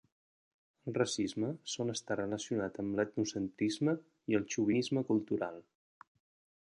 El racisme sol estar relacionat amb l'etnocentrisme i el xovinisme cultural.